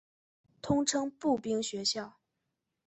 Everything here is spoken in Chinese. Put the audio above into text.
通称步兵学校。